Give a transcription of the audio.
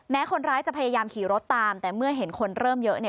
คนร้ายจะพยายามขี่รถตามแต่เมื่อเห็นคนเริ่มเยอะเนี่ย